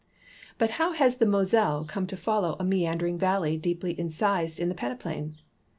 But how has the Moselle come to follow a meandering valley deejfiy incised in the ])eneplain?